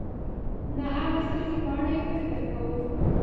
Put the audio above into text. نه هغه څه چې په اړه یې فکر کوو .